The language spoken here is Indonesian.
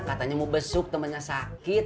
katanya mau besuk temannya sakit